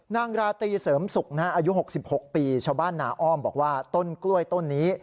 ราตรีเสริมสุขอายุ๖๖ปีชาวบ้านนาอ้อมบอกว่าต้นกล้วยต้นนี้